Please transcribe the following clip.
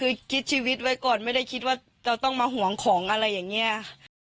คือคิดชีวิตไว้ก่อนไม่ได้คิดว่าเราต้องมาห่วงของอะไรอย่างนี้